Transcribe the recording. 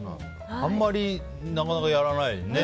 あんまりなかなかやらないよね。